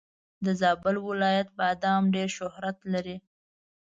د زابل ولایت بادم ډېر شهرت لري.